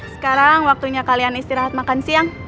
sekarang waktunya kalian istirahat makan siang